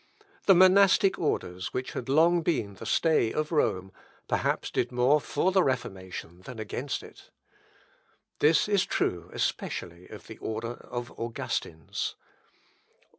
The monastic orders, which had long been the stay of Rome, perhaps did more for the Reformation than against it. This is true especially of the order of Augustins.